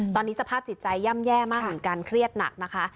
ตอนนี้สภาพจิตใจย่ำแย่มากเหมือนกันเครียดหนักนะคะ